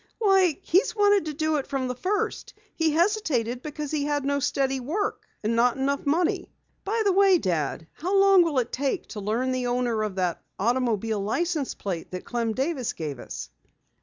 "Why, he's wanted to do it from the first. He hesitated because he had no steady work, and not enough money. By the way, Dad, how long will it take to learn the owner of that automobile license plate that Clem Davis gave us?"